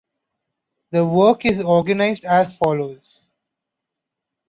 The work is organised as follows.